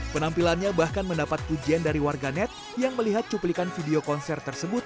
penampilannya bahkan mendapat pujian dari warganet yang melihat cuplikan video konser tersebut